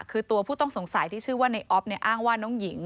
คือตัวผู้ต้องสงสัยที่ชื่อว่าในออฟเนี่ยอ้างว่าน้องหญิง